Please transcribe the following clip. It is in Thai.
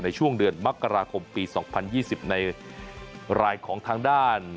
ในช่วงเดือนมกราคมปี๒๐๒๐ในรายของทางด้าน